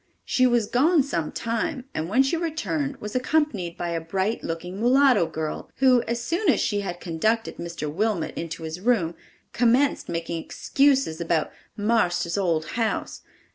She was gone some time, and when she returned was accompanied by a bright looking mulatto girl, who, as soon as she had conducted Mr. Wilmot into his room, commenced making excuses about "marster's old house!